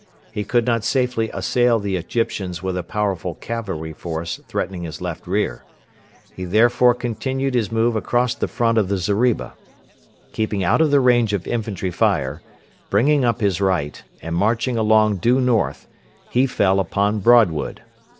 He could not safely assail the Egyptians with a powerful cavalry force threatening his left rear. He therefore continued his move across the front of the zeriba. Keeping out of the range of infantry fire, bringing up his right, and marching along due north, he fell upon Broadwood.